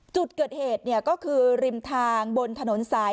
จุดเกิดเหตุก็คือริมทางบนถนนสาย